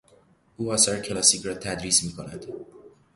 او آثار کلاسیک را تدریس میکند.